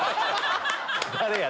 誰や？